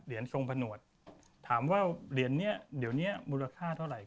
ทรงผนวดถามว่าเหรียญนี้เดี๋ยวนี้มูลค่าเท่าไหร่